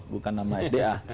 bukan nama sda